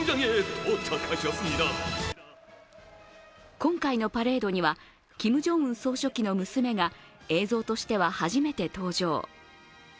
今回のパレードにはキム・ジョンウン総書記の娘が映像としては初めて登場。